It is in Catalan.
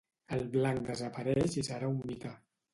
El blanc desapareix i serà un mite.